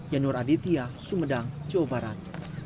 yanur aditya sumedang jawa barat